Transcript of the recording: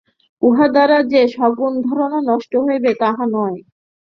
উহা দ্বারা যে সগুণ ধারণা নষ্ট হইবে, তাহা নয়।